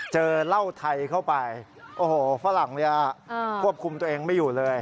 เจอเหล้าไทยเข้าไปโอ้โหฝรั่งเนี่ยควบคุมตัวเองไม่อยู่เลย